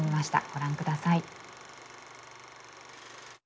ご覧ください。